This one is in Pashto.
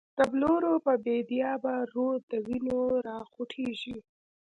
دبلورو په بیدیا به، رود دوینو راخوټیږی